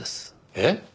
えっ？